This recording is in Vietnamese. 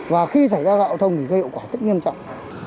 và khi xảy ra giao thông thì gây ậu quả rất nghiêm trọng